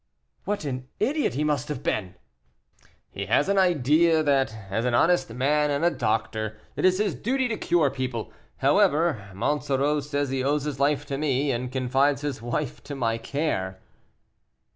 "What an idiot he must have been!" "He has an idea that, as an honest man and a doctor, it is his duty to cure people. However, Monsoreau says he owes his life to me, and confides his wife to my care."